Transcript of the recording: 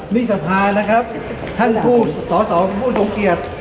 นี่สภานะครับท่านผู้สอสอผู้ทรงเกียจ